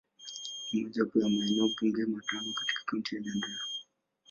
Ni mojawapo wa maeneo bunge matano katika Kaunti ya Nyandarua.